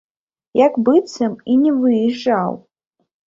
Як быццам і не выязджаў.